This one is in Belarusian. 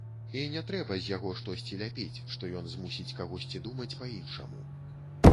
І не трэба з яго штосьці ляпіць, што ён змусіць кагосьці думаць па-іншаму.